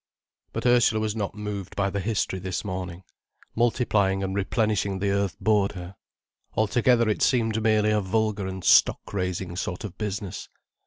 But Ursula was not moved by the history this morning. Multiplying and replenishing the earth bored her. Altogether it seemed merely a vulgar and stock raising sort of business.